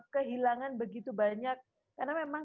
kehilangan begitu banyak karena memang